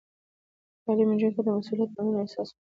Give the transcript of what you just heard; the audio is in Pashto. تعلیم نجونو ته د مسؤلیت منلو احساس ورکوي.